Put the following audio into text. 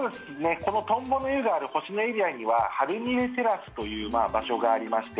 このトンボの湯がある星野エリアにはハルニレテラスという場所がありまして